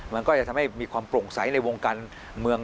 มันก็จะทำให้มีความโปร่งใสในวงการเมือง